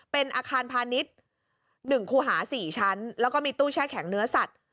เป็นอาคารพาณิชย์๑คู่หา๔ชั้นแล้วก็มีตู้แช่แข็งเนื้อสัตว์